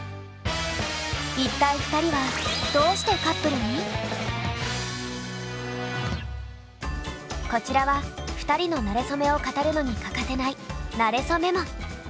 一体２人はこちらは２人のなれそめを語るのに欠かせない「なれそメモ」。